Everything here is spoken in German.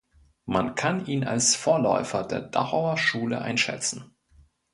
Man kann ihn als Vorläufer der Dachauer Schule einschätzen.